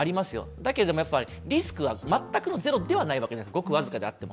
だけど、リスクは全くのゼロではないわけです、ごく僅かであっても。